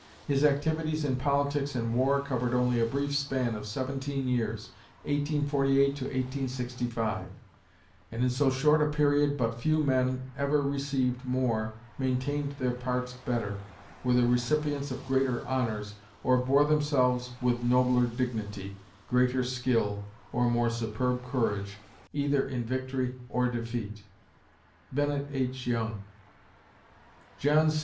His activities in politics and war covered only a brief span of seventeen years, 1848 to 1865, and in so short a period but few men ever received more, maintained their parts better, were the recipients of greater honors, or bore themselves with nobler dignity, greater skill or more superb courage either in victory or defeat. BENNETT H. YOUNG _John C.